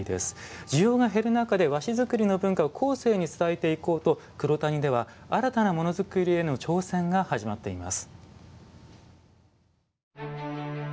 需要が減る中で和紙作りの魅力を後世に伝えていこうと黒谷では新たなものづくりへの挑戦が始まっています。